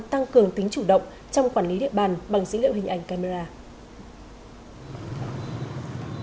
tăng cường tính chủ động trong quản lý địa bàn bằng dữ liệu hình ảnh camera